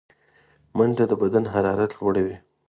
منډه د بدن حرارت لوړوي